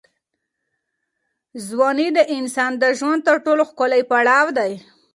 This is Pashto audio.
ځواني د انسان د ژوند تر ټولو ښکلی پړاو دی.